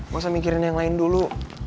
gak usah mikirin yang lain dulu